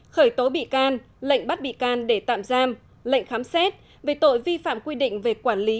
khởi tố bị can lệnh bắt bị can để tạm giam lệnh khám xét về tội vi phạm quy định về quản lý